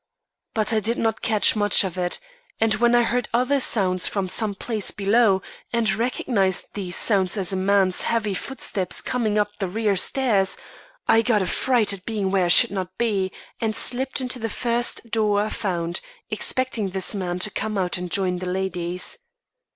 But I did not catch much of it; and when I heard other sounds from some place below, and recognised these sounds as a man's heavy footsteps coming up the rear stairs, I got a fright at being where I should not be, and slipped into the first door I found, expecting this man to come out and join the ladies.